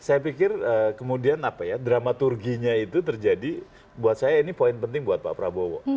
saya pikir kemudian apa ya dramaturginya itu terjadi buat saya ini poin penting buat pak prabowo